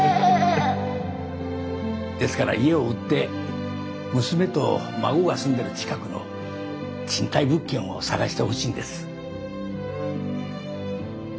ですから家を売って娘と孫が住んでる近くの賃貸物件を探してほしいんです。